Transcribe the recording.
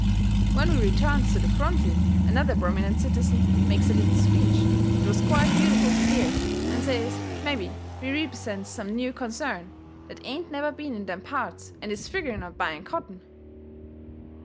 When we returns to the front room another prominent citizen makes a little speech that was quite beautiful to hear, and says mebby we represents some new concern that ain't never been in them parts and is figgering on buying cotton.